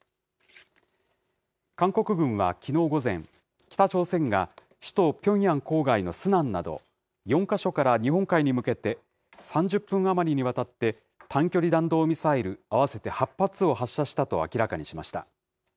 韓国軍はきのう午前、北朝鮮が首都ピョンヤン郊外のスナンなど、４か所から日本海に向けて、３０分余りにわたって、短距離弾道ミサイル合わせて８発を発射したと明らかにしました。